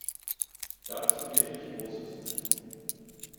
Dazu wirklich große Zustimmung.